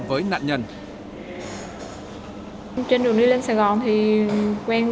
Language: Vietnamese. với nạn nhân